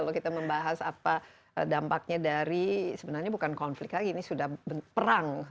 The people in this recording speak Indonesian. kalau kita membahas apa dampaknya dari sebenarnya bukan konflik lagi ini sudah perang